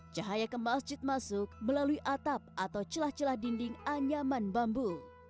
cahaya ke masjid masuk melalui atap atau celah celah dinding anyaman bambu